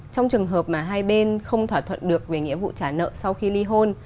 trong trường hợp mà hai bên không thỏa thuận được về nghĩa vụ trả nợ sau khi ly hôn